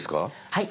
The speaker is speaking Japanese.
はい。